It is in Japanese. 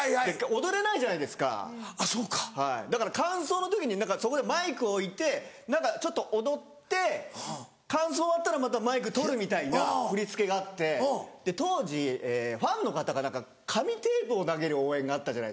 だから間奏の時にそこでマイクを置いてちょっと踊って間奏終わったらまたマイク取るみたいな振り付けがあって当時ファンの方が紙テープを投げる応援があったじゃないですか。